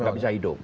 nggak bisa hidup